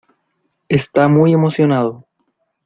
Está muy emocionado.